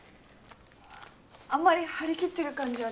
ああんまり張り切ってる感じはちょっと。